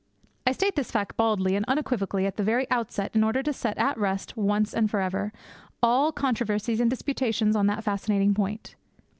I state this fact baldly and unequivocally at the very outset in order to set at rest, once and for ever, all controversies and disputations on that fascinating point.